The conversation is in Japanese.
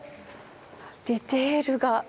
ディテールが。